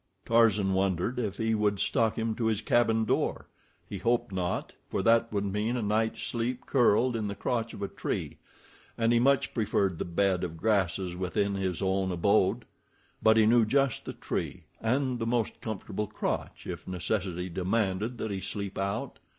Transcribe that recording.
Tarzan wondered if he would stalk him to his cabin door. He hoped not, for that would mean a night's sleep curled in the crotch of a tree, and he much preferred the bed of grasses within his own abode. But he knew just the tree and the most comfortable crotch, if necessity demanded that he sleep out.